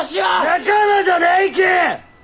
仲間じゃないき！